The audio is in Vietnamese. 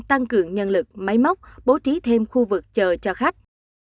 tăng cường nhân lực máy móc bố trí thêm khu vực chờ cho khách